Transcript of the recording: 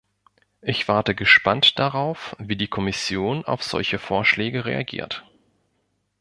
Ich warte gespannt darauf, wie die Kommission auf solche Vorschläge reagiert.